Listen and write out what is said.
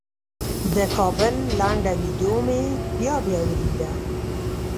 د کابل لنډه ویډیو مې بیا بیا ولیده.